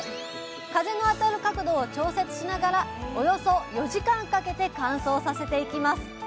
風の当たる角度を調節しながらおよそ４時間かけて乾燥させていきます。